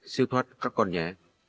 siêu thoát các con nhé